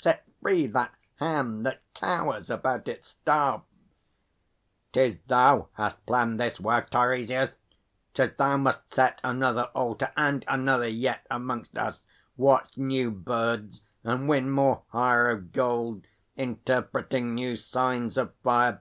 Set free that hand That cowers about its staff. 'Tis thou hast planned This work, Teiresias! 'Tis thou must set Another altar and another yet Amongst us, watch new birds, and win more hire Of gold, interpreting new signs of fire!